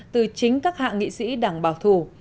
từ chính các hạng nghị sĩ đảng bảo thủ